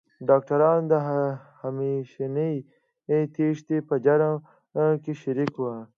ډاکټرانو د همېشنۍ تېښتې په جرم کې شریکې وې.